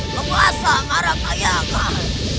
penguasa mara kayakan